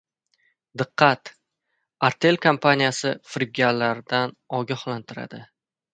Diqqat! Artel kompaniyasi firibgarlardan ogohlantiradi